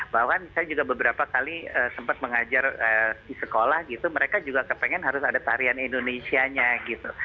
bahkan saya juga beberapa kali sempat mengajar di sekolah gitu mereka juga kepengen harus ada tarian indonesia nya gitu